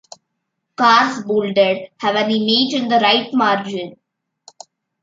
Cars bolded have an image in the right margin.